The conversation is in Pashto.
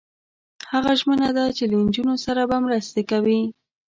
هغه ژمنه ده چې له نجونو سره به مرسته کوي.